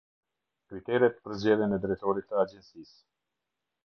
Kriteret për zgjedhjen e Drejtorit të Agjencisë.